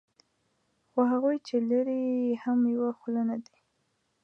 خو هغوی چې لري یې هم یوه خوله نه دي.